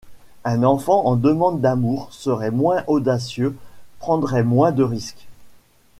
Un enfant en demande d’amour serait moins audacieux, prendrait moins de risque.